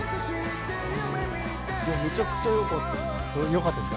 めちゃくちゃよかったです。